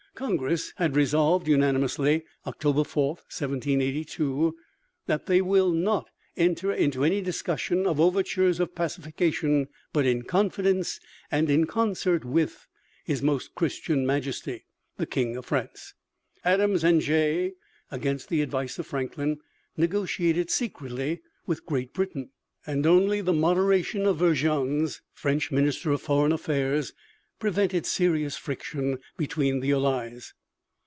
Congress had resolved unanimously (October 4, 1782) that "they will not enter into any discussion of overtures of pacification but in confidence and in concert with His Most Christian Majesty," the King of France. Adams and Jay, against the advice of Franklin, negotiated secretly with Great Britain, and only the moderation of Vergennes, French Minister of Foreign Affairs, prevented serious friction between the allies.